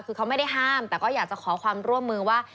คือเขาไม่ได้ห้ามแต่ก็อยากจะขอความร่วมมือว่า